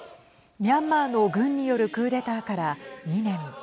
ミャンマーの軍によるクーデターから２年。